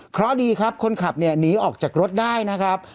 เพราะดีครับคนขับเนี่ยหนีออกจากรถได้นะครับ